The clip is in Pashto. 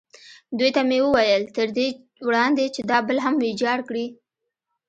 دوی ته مې وویل: تر دې وړاندې چې دا پل هم ویجاړ کړي.